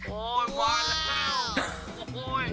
โอ้โฮว้าว